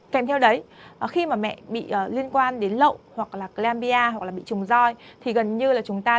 kèm theo đấy khi mà mẹ bị liên quan đến lậu hoặc là clambia hoặc là bị trùng roi thì gần như là chúng ta